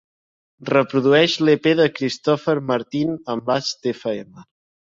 Reprodueix l'EP de Christopher Martin amb Lastfm